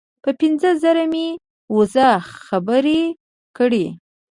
په پنځه زره مې وزه خبرې کړې.